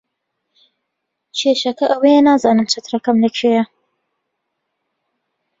کێشەکە ئەوەیە نازانم چەترەکەم لەکوێیە.